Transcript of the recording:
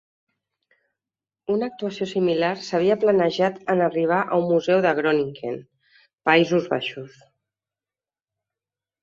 Una actuació similar s'havia planejat en arribar a un museu de Groningen, Països Baixos.